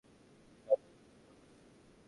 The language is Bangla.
এটা তো পুলিশের সমস্যা।